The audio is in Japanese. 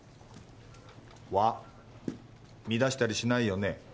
輪乱したりしないよね？